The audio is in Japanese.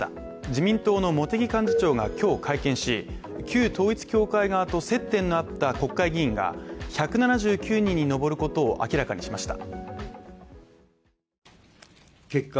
自民党の茂木幹事長が今日会見し旧統一教会側と接点のあった国会議員が１７９人に上ることを明らかにしました。